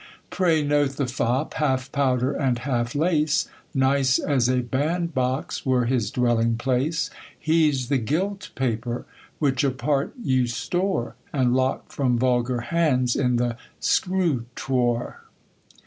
Pray note the fop ; half powder and half lace ; Nice, as a band box were his dwelling piace ; lie's the gilt paper, which apart you store, And lock from vulgar hands in the scrutoire.